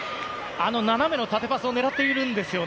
斜めの縦パスを狙っているんですよね。